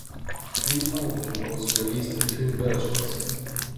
The album was released in two versions.